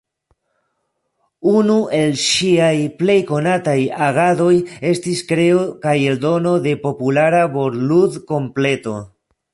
Unu el ŝiaj plej konataj agadoj estis kreo kaj eldono de populara vortlud-kompleto.